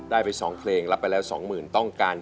ได้ไปสองเพลงรับไปแล้วสองหมื่นต้องการ